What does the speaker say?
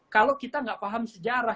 kalau kita tidak memahami sejarah